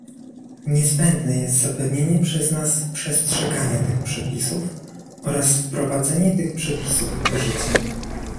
Niezbędne jest zapewnienie przez nas przestrzegania tych przepisów oraz wprowadzenie tych przepisów w życie